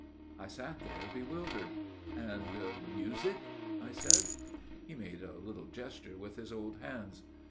"I sat there bewildered. "* And music ?' I said. " He made a little gesture with his old hands.